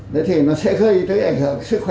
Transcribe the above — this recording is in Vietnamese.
đấy thì nó sẽ gây tới ảnh hưởng sức khỏe